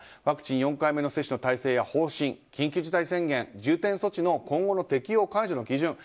ワクチン４回目接種の体制や方針緊急事態宣言、重点措置の今後の適用・解除の基準